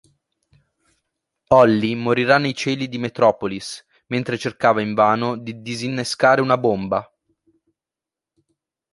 Ollie morirà nei cieli di Metropolis, mentre cercava, invano, di disinnescare una bomba.